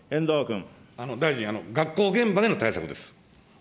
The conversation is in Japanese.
大臣、学校現場での対策です。